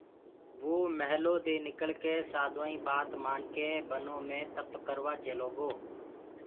وو مِيهلودي نڪݪڪي سآڌوآئيٚنٚ ٻآت مآنڪي بنو مي تپَ ڪروآ چيلوگو